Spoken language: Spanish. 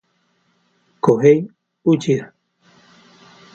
Kohei Uchida